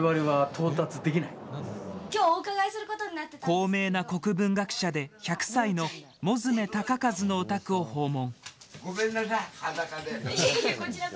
高名な国文学者で１００歳の物集高量のお宅を訪問。